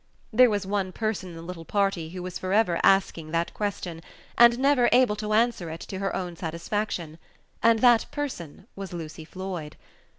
There was one person in the little party who was for ever asking that question, and never able to answer it to her own satisfaction, and that person was Lucy Floyd.